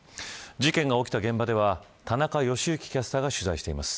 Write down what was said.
事件が起きた現場では田中良幸キャスターが取材しています。